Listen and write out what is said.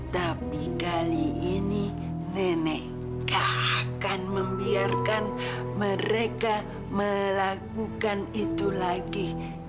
tapi kali ini nenek akan membiarkan mereka melakukan itu lagi